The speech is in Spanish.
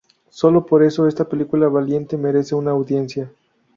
Sólo por eso esta película valiente merece una audiencia".